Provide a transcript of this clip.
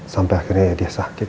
sampai akhirnya dia sakit